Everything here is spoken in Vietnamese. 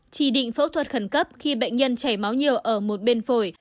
chỉ định phẫu thuật khẩn cấp khi bệnh nhân chảy máu nhiều ở một bên phổi